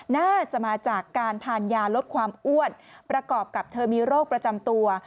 น่าจะมาจากการทานยาลดความอ้วนประกอบกับเธอมีโรคประจำตัว